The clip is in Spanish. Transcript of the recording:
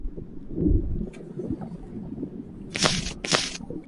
Los adultos habitan las aguas costeras de la plataforma continental.